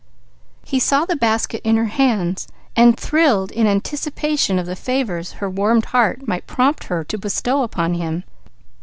He saw the basket in her hands, and thrilled in anticipation of the favours her warmed heart might prompt her to bestow upon him.